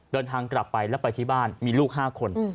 เดินทางกลับไปแล้วไปที่บ้านมีลูก๕คน